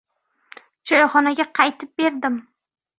Choyxonaga qaytib bordim.